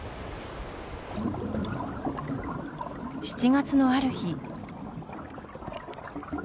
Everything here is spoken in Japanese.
７月のある日。